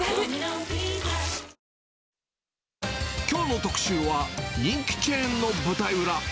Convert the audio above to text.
きょうの特集は、人気チェーンの舞台裏。